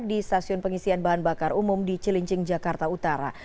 di stasiun pengisian bahan bakar umum di cilincing jakarta utara